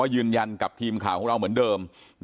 ยืนยันกับทีมข่าวของเราเหมือนเดิม